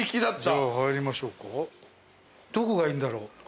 どこがいいんだろう？